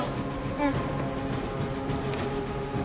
うん。